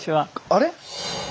あれ？